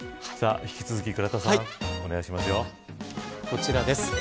こちらです。